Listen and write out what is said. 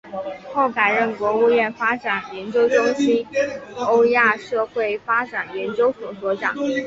后改任国务院发展研究中心欧亚社会发展研究所所长。